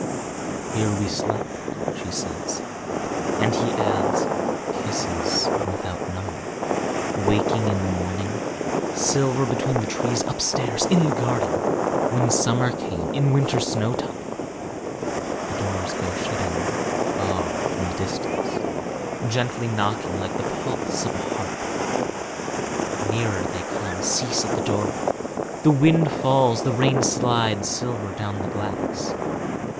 "Here we slept," she says. And he adds, "Kisses without number." "Waking in the morning—" "Silver between the trees—" "Upstairs—" "In the garden—" "When summer came—" "In winter snowtime—" The doors go shutting far in the distance, gently knocking like the pulse of a heart. Nearer they come; cease at the doorway. The wind falls, the rain slides silver down the glass.